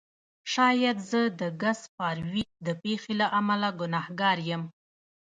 شاید زه د ګس فارویک د پیښې له امله ګناهګار یم